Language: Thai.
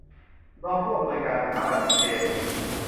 รองผู้อำนวยการสถาบันเชนจ์